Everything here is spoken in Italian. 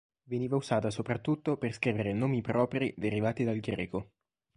Veniva usata soprattutto per scrivere nomi propri derivati dal greco.